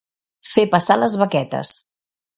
Fer passar les baquetes.